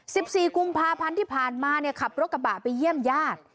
สิบสี่กุมภาพันธ์ที่ผ่านมาเนี่ยขับรถกระบะไปเยี่ยมญาติ